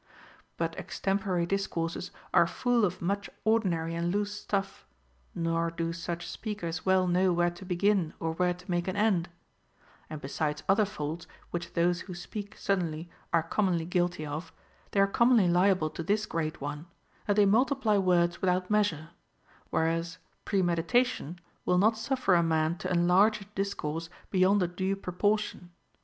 But extemporary discourses are full of much ordinary and loose stuff, nor do such speakers Λνεΐΐ know where to begin or where to make an end. And besides other faults which those Avho speak suddenly are com monly guilty of, they are commonly liable to this great one, that they multiply words without measure ; whereas, * Eurip. Hippol. 986. OF THE TRAINING OF CHILDREN. 15 premeditation Λνΐΐΐ not sniFer a man to enlarge his dis course beyond a due proportion.